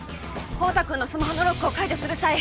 孝多君のスマホのロックを解除する際